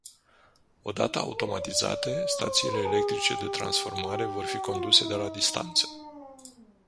Odată automatizate, stațiile electrice de transformare vor fi conduse de la distanță.